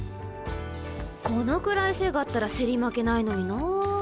このくらい背があったら競り負けないのになあ。